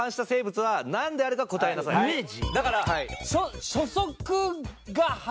だから。